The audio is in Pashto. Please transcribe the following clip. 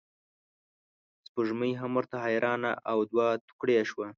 سپوږمۍ هم ورته حیرانه او دوه توکړې شوه.